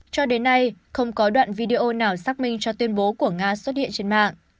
cho đến nay không có đoạn video nào xác minh cho tuyên bố của nga xuất hiện trên mạng